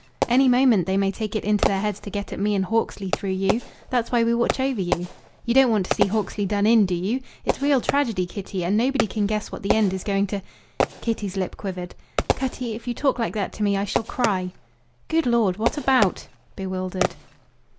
Any moment they may take it into their heads to get at me and Hawksley through you. That's why we watch over you. You don't want to see Hawksley done in, do you? It's real tragedy, Kitty, and nobody can guess what the end is going to be." Kitty's lip quivered. "Cutty, if you talk like that to me I shall cry." "Good Lord, what about?" bewildered.